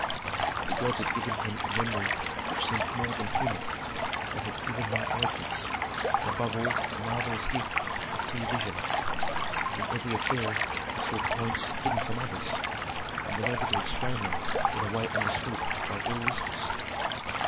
The gods had given him a memory which seemed more than human; they had given him eloquence, and above all a marvellous gift of clear vision. In every affair he saw points hidden from others, and was able to explain them in a way understood by all listeners.